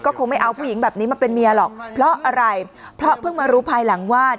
คงไม่เอาผู้หญิงแบบนี้มาเป็นเมียหรอกเพราะอะไรเพราะเพิ่งมารู้ภายหลังว่า